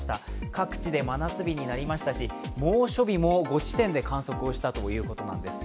各地で真夏日になりましたし猛暑日も５地点で観測したということなんです。